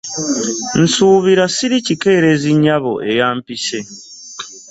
Nsuubira Siri kikeerezi nyabo eyambpise.